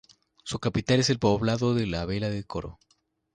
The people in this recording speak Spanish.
Su capital es el poblado de La Vela de Coro.